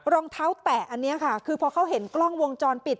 รองเท้าแตะอันนี้ค่ะคือพอเขาเห็นกล้องวงจรปิด